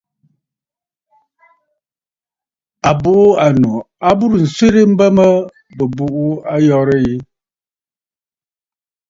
À bùʼû ànnnù a burə nswerə mbə mə bɨ̀ buʼu ayɔ̀rə̂ yi.